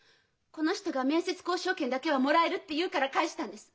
この人が「面接交渉権だけはもらえる」って言うから返したんです。